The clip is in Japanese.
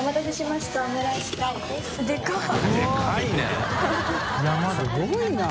すごいな。